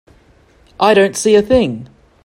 I don't see a thing.